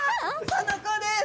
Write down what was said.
この子です。